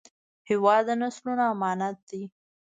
هېواد د نسلونو امانت دی.